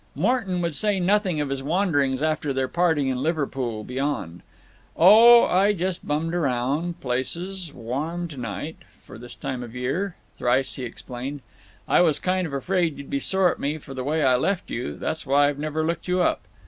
Morton would say nothing of his wanderings after their parting in Liverpool beyond: "Oh, I just bummed around. Places…. Warm to night. For this time of year." Thrice he explained, "I was kind of afraid you'd be sore at me for the way I left you; that's why I've never looked you up."